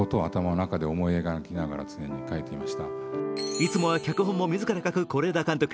いつもは脚本も自ら書く是枝監督。